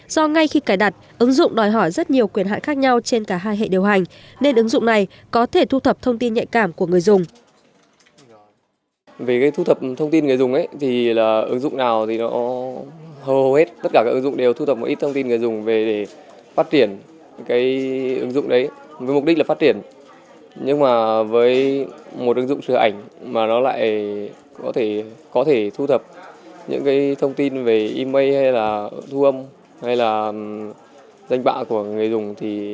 do ngay khi cài đặt ứng dụng đòi hỏi rất nhiều quyền hại khác nhau trên cả hai hệ điều hành nên ứng dụng này có thể thu thập thông tin nhạy cảm của người dùng